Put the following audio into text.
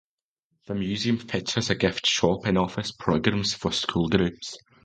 The museum features a gift shop and offers programs for school groups.